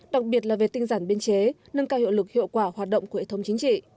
đặc biệt là về tinh giản biên chế nâng cao hiệu lực hiệu quả hoạt động của hệ thống chính trị